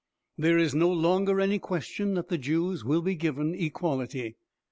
There is no longer any question that the Jews will be given equality.